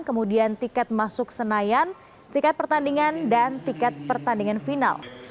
kemudian tiket masuk senayan tiket pertandingan dan tiket pertandingan final